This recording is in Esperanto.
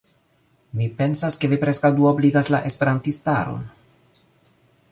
Mi pensas, ke vi preskaŭ duobligas la esperantistaron.